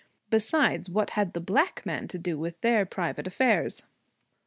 Besides, what had the black man to do with their private affairs?